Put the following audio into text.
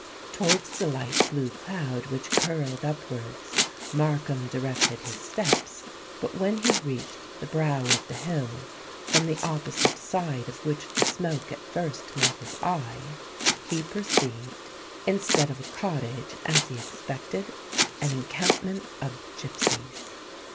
Towards the light blue cloud which curled upwards, Markham directed his steps; but when he reached the brow of the hill, from the opposite side of which the smoke at first met his eye, he perceived, instead of a cottage as he expected, an encampment of gipsies.